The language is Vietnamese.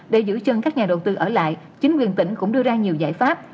để giữ chân các nhà đầu tư ở lại chính quyền tỉnh cũng đưa ra nhiều giải pháp